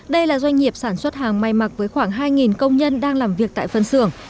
đây là doanh nghiệp sản xuất hàng may mặc với khoảng hai công nhân đang làm việc tại phân xưởng